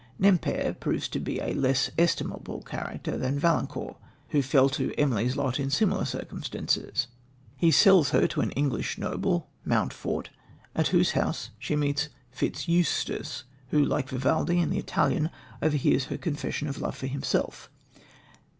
Nempère proves to be a less estimable character than Valancourt, who fell to Emily's lot in similar circumstances. He sells her to an English noble, Mountfort, at whose house she meets Fitzeustace, who, like Vivaldi in The Italian, overhears her confession of love for himself.